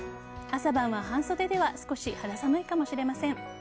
朝晩は半袖では少し肌寒いかもしれません。